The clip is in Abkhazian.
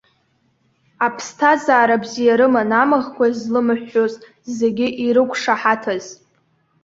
Аԥсҭазаара бзиа рыман амаӷқәа злымыҳәҳәоз, зегьы ирықәшаҳаҭыз.